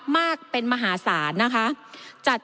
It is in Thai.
มากเป็นมหาศาลนะคะ